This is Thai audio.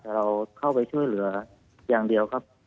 แต่เราเข้าไปช่วยเหลืออย่างเดียวครับ